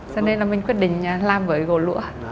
cho nên là mình quyết định làm với gỗ lũa